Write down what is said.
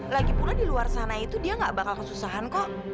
lagi pula di luar sana itu dia gak bakal kesusahan kok